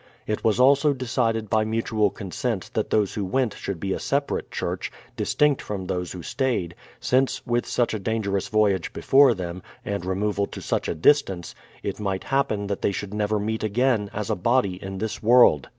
It was also decided by mutual consent that those who went should be a separate church, distinct from those who stayed, since, with such a dangerous voyage before them, and re moval to such a distance, it might happen that they should never meet again, as a body, in this world.